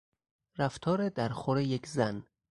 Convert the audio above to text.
رفتار درخور یک زن